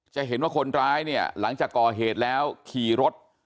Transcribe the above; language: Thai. จะเห็นว่าคนร้ายเนี่ยหลังจากก่อเหตุแล้วขี่รถ